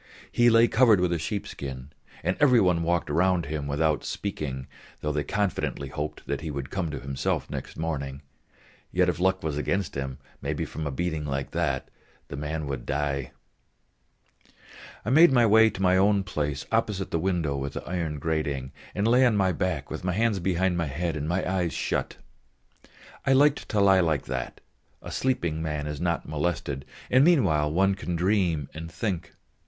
He lay covered with a sheepskin, and every one walked round him, without speaking; though they confidently hoped that he would come to himself next morning, yet if luck was against him, maybe from a beating like that, the man would die. I made my way to my own place opposite the window with the iron grating, and lay on my back with my hands behind my head and my eyes shut. I liked to lie like that; a sleeping man is not molested, and meanwhile one can dream and think.